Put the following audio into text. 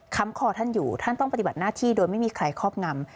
คอท่านอยู่ท่านต้องปฏิบัติหน้าที่โดยไม่มีใครครอบงำ